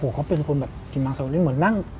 โอ้โฮเขาเป็นคนแบบกินมาร์ซาวนี่เหมือนนั่ง